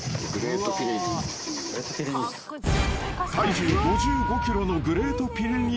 ［体重５５ｋｇのグレート・ピレニーズ］